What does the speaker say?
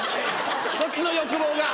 そっちの欲望が。